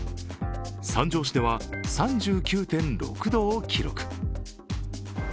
三条市では３９．６度を記録。